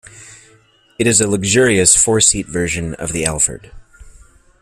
It is a luxurious, four-seat version of the Alphard.